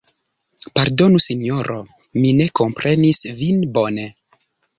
Pardonu, Sinjoro, mi ne komprenis vin bone.